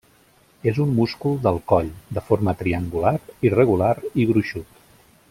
És un múscul del coll, de forma triangular, irregular i gruixut.